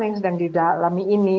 yang sedang didalami ini